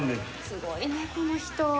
すごいねこの人。